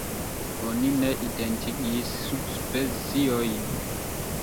Oni ne identigis subspeciojn.